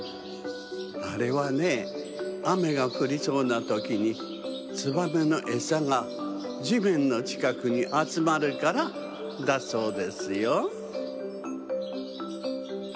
あれはねあめがふりそうなときにツバメのえさがじめんのちかくにあつまるからだそうですよ。